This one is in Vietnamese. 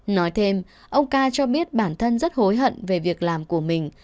nói thêm ông ca cho biết bản thân rất hối hận về việc làm của mình